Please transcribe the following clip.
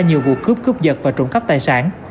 nhiều vụ cướp cướp giật và trụng cấp tài sản